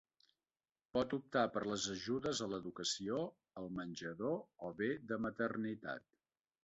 Pot optar per les ajudes a l'educació, al menjador o bé de maternitat.